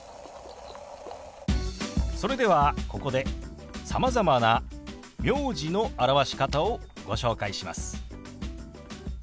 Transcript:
それではここでさまざまな名字の表し方をご紹介します。